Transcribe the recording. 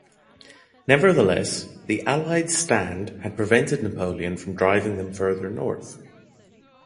Nevertheless, the Allied stand had prevented Napoleon from driving them further north.